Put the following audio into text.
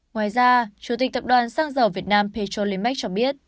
ngoài ra chủ tịch tập đoàn xăng dầu việt nam petrolimax cho biết